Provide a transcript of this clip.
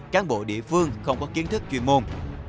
cán bộ địa phương không có kiến thức chuyên môn